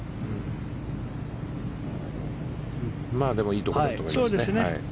でもいいところだと思います。